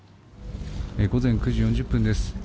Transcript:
午前９時４０分です。